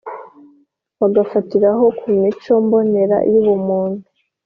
bigafatiraho ku mico mbonera yubumuntu